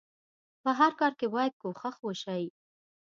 په هر کار کې بايد کوښښ وشئ.